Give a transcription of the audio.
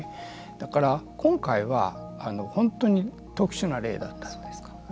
だから、今回は本当に特殊な例だった。